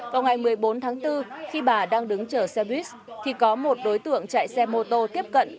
vào ngày một mươi bốn tháng bốn khi bà đang đứng chở xe buýt thì có một đối tượng chạy xe mô tô tiếp cận